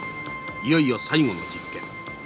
いよいよ最後の実験。